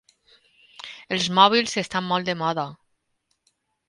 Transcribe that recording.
Els mòbils estan molt de moda.